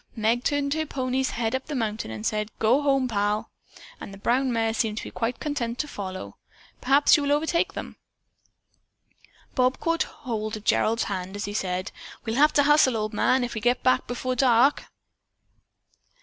"Meg turned her pony's head up the mountain road and said, 'Go home, Pal,' and the brown mare seemed to be quite content to follow. Perhaps you will overtake them." Bob caught hold of Gerald's hand as he said: "We'll have to hustle, old man, if we get back before dark."